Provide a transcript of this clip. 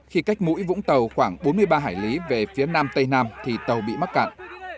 khi cách mũi vũng tàu khoảng bốn mươi ba hải lý về phía nam tây nam thì tàu bị mắc cạn